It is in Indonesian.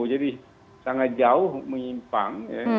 jadi sangat jauh menyimpang